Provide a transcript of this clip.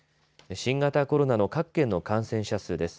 新型コロナの各県の感染者数です。